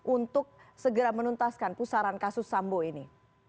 untuk segera menuntaskan pusaran kasus sambo ini